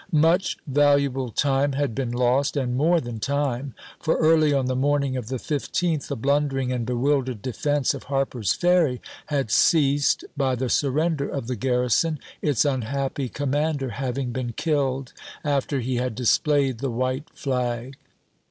Much valuable time had been lost, and more than time ; for early on the morning of the 15th the blundering and bewildered defense of Harper's Ferry had ceased by the surrender of the garrison, its unhappy commander having been killed after he had displayed the white flag.